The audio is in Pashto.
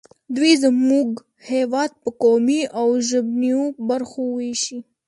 دوی زموږ هېواد په قومي او ژبنیو برخو ویشي